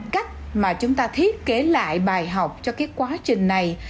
cách mà chúng ta thiết kế lại bài học cho cái quá trình này